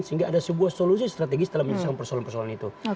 sehingga ada sebuah solusi strategis dalam menyelesaikan persoalan persoalan itu